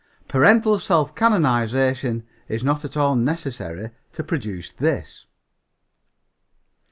Parental self canonization is not at all necessary to produce this."